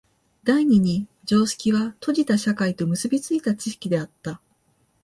第二に常識は閉じた社会と結び付いた知識であった。